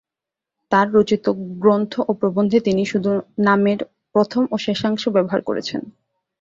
তাঁর রচিত গ্রন্থ ও প্রবন্ধে তিনি শুধু নামের প্রথম ও শেষাংশ ব্যবহার করেছেন।